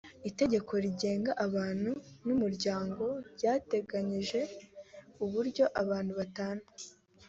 itegeko rigenga abantu n’umuryango ryateganyije uburyo abantu batana